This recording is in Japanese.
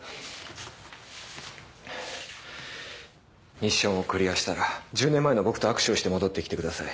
ミッションをクリアしたら１０年前の僕と握手をして戻ってきてください。